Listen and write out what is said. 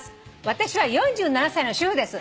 私は４７歳の主婦です」